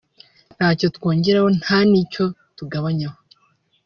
ntacyo twongeraho nta n’icyo tugabanyaho”